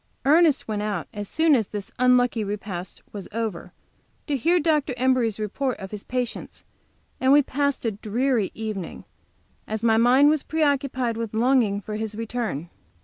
Ernest went out as soon as this unlucky repast was over to hear Dr. Embury's report of his patients, and we passed a dreary evening, as my mind was preoccupied with longing for his return.